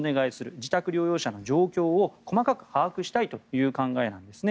自宅療養者の状況を細かく把握したいという考えなんですね。